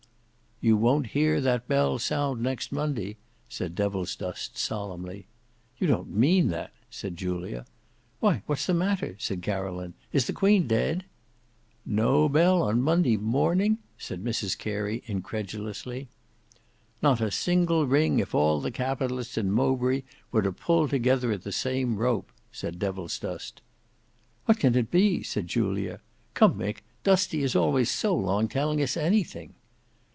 "You won't hear that bell sound next Monday," said Devilsdust solemnly. "You don't mean that?" said Julia. "Why, what's the matter?" said Caroline. "Is the Queen dead?" "No bell on Monday morning," said Mrs Carey, incredulously. "Not a single ring if all the Capitalists in Mowbray were to pull together at the same rope," said Devilsdust. "What can it be?" said Julia. "Come, Mick; Dusty is always so long telling us anything."